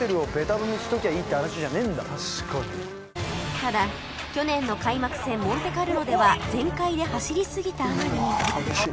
ただ去年の開幕戦モンテカルロでは全開で走りすぎたあまり